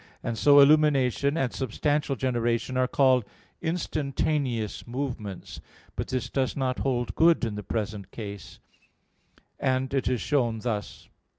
And so illumination and substantial generation are called instantaneous movements. But this does not hold good in the present case; and it is shown thus.